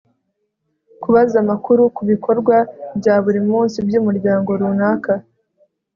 kubaza amakuru ku bikorwa bya burimunsi by'umuryago runaka